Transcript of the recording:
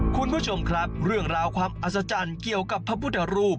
คุณผู้ชมครับเรื่องราวความอัศจรรย์เกี่ยวกับพระพุทธรูป